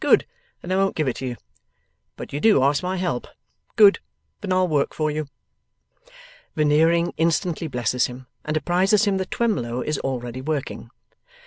'Good. Then I won't give it you. But you do ask my help. Good. Then I'll work for you.' Veneering instantly blesses him, and apprises him that Twemlow is already working.